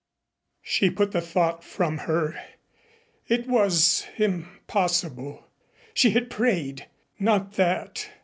She put the thought from her. It was impossible. She had prayed. Not that....